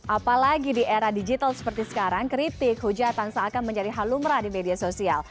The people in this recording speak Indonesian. apalagi di era digital seperti sekarang kritik hujatan seakan menjadi halumra di media sosial